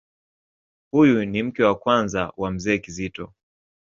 Huyu ni mke wa kwanza wa Mzee Kizito.